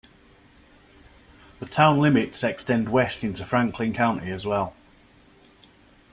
The town limits extend west into Franklin County as well.